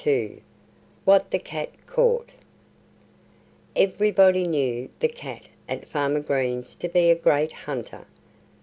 II WHAT THE CAT CAUGHT EVERYBODY knew the cat at Farmer Green's to be a great hunter.